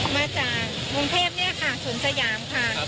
มาจากวงเทพฯนี่ค่ะศูนย์สยามค่ะ